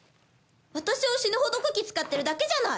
私を死ぬほどこき使ってるだけじゃない。